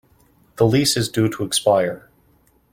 The lease is due to expire.